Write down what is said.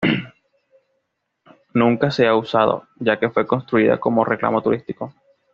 Nunca se ha usado, ya que fue construida como reclamo turístico.